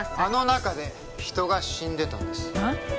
あの中で人が死んでたんですえっ？